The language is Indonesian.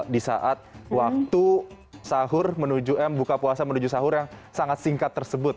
di saat waktu sahur menuju m buka puasa menuju sahur yang sangat singkat tersebut